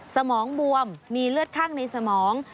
สมองบวมมีเลือดข้างในสมอง